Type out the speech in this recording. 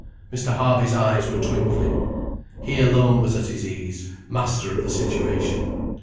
Mr. Harby's eyes were twinkling. He alone was at his ease, master of the situation.